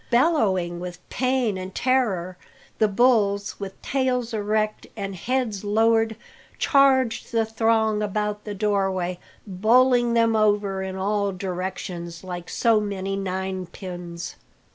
Bellowing with pain and terror, the bulls, with tails erect and heads lowered, charged the throng about the doorway, bowling them over in all directions like so many ninepins.